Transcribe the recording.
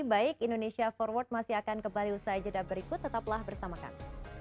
baik indonesia forward masih akan kembali usaha ejeda berikut tetaplah bersamakan